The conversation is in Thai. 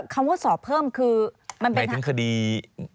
คำว่าสอบเพิ่มคือไหนถึงคดีหมดจรูน